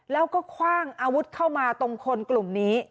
แล้วก็คว่างอาวุธเข้ามาตรงคนกลุ่มนี้